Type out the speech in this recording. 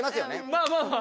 まあまあまあ。